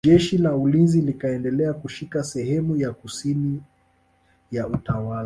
Jeshi la ulinzi likaendelea kushika sehemu ya kusini ya utawala